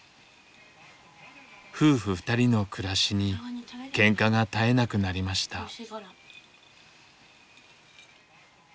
夫婦２人の暮らしにけんかが絶えなくなりました。